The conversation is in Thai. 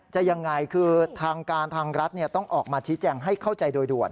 ยังไงคือทางการทางรัฐต้องออกมาชี้แจงให้เข้าใจโดยด่วน